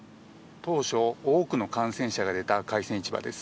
当初、多くの感染者が出た海鮮市場です。